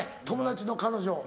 友達の彼女。